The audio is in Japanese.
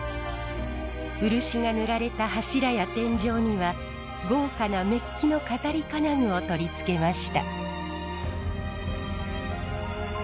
漆が塗られた柱や天井には豪華なメッキの飾り金具を取り付けました。